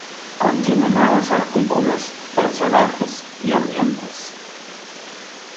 Contiene nuevos artículos, personajes y ambientes.